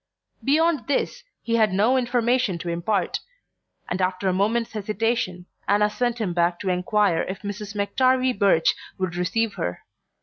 Beyond this he had no information to impart, and after a moment's hesitation Anna sent him back to enquire if Mrs. McTarvie Birch would receive her.